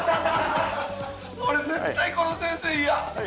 俺絶対この先生イヤ。